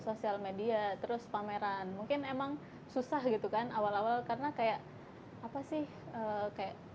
sosial media terus pameran mungkin emang susah gitu kan awal awal karena kayak apa sih kayak